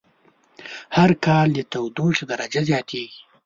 هر کال د تودوخی درجه زیاتیږی